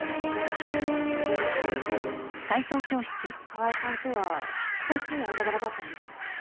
川井さんとは親しい間柄だったんですか？